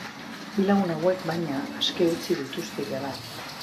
Bi lagun hauek, baina, aske utzi dituzte jada.